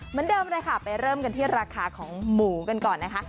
เหมือนเดิมเลยค่ะไปเริ่มกันที่ราคาของหมูกันก่อนนะคะ